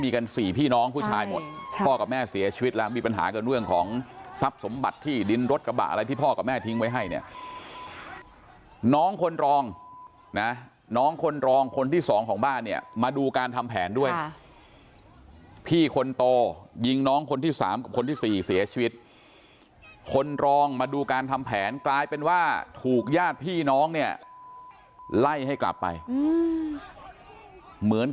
ตอนที่ท่านผู้ชมเห็นเนี่ยก็คือตอนที่ท่านผู้ชมเห็นเนี่ยก็คือตอนที่ท่านผู้ชมเห็นเนี่ยก็คือตอนที่ท่านผู้ชมเห็นเนี่ยก็คือตอนที่ท่านผู้ชมเห็นเนี่ยก็คือตอนที่ท่านผู้ชมเห็นเนี่ยก็คือตอนที่ท่านผู้ชมเห็นเนี่ยก็คือตอนที่ท่านผู้ชมเห็นเนี่ยก็คือตอนที่ท่านผู้ชมเห็นเนี่ยก็คือตอนที่ท่านผู้ชมเห็น